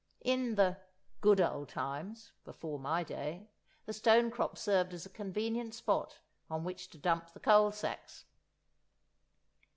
In the "good old times," before my day, the stone crop served as a convenient spot on which to dump the coal sacks!